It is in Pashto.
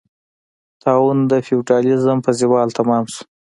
طاعون د فیوډالېزم په زوال تمام شو.